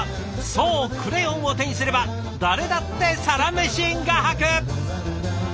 そうクレヨンを手にすれば誰だってサラメシ画伯！